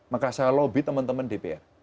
maka saya lobby teman teman dpr